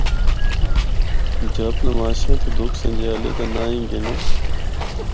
’چہپ نماشاں‘ تے ’دکھ سنجھیالے‘ دا ہی ناں گنو۔